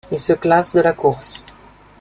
Il se classe de la course.